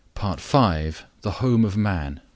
PART FIVE. THE HOME OF MAN I.